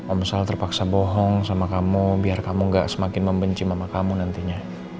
omset terpaksa bohong sama kamu biar kamu gak semakin membenci mama kamu nantinya